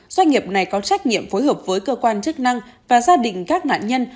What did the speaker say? doanh nghiệp này có trách nhiệm phối hợp với cơ quan chức năng và gia đình các nạn nhân